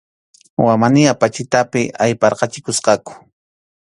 Wamani apachitapi ayparqachikusqaku.